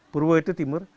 purwodaksina itu timur